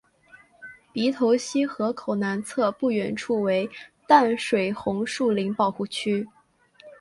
鼻头溪河口南侧不远处为淡水红树林保护区。